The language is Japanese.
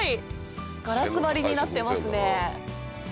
ガラス張りになってますね。